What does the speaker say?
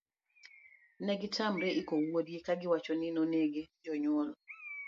negitamre iko wuodgi kagiwacho ni nonege. jonyuol